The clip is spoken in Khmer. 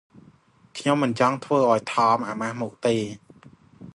ខ្ញុំមិនចង់ធ្វើឱ្យ ថម អាម៉ាស់មុខទេ។